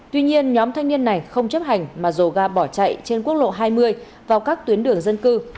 tuy nhiên nhóm thanh niên này không chấp hành mà dồ ga bỏ chạy trên quốc lộ hai mươi vào các tuyến đường dân cư